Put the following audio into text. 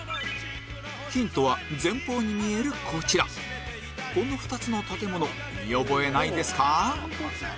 ヒントは前方に見えるこちらこの２つの建物見覚えないですか？